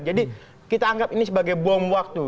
jadi kita anggap ini sebagai bom waktu